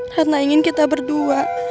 ratna ingin kita berdua